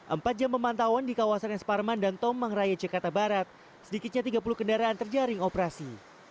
empat jam pemantauan di kawasan es parman dan tomang raya jakarta barat sedikitnya tiga puluh kendaraan terjaring operasi